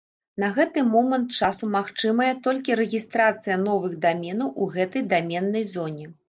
На гэты момант часу магчымая толькі рэгістрацыя новых даменаў у гэтай даменнай зоне.